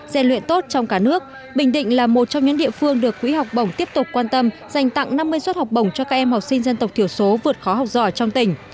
dàn luyện tốt trong cả nước bình định là một trong những địa phương được quỹ học bổng tiếp tục quan tâm dành tặng năm mươi suất học bổng cho các em học sinh dân tộc thiểu số vượt khó học giỏi trong tỉnh